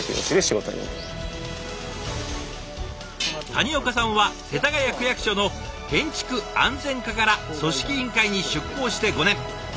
谷岡さんは世田谷区役所の建築安全課から組織委員会に出向して５年。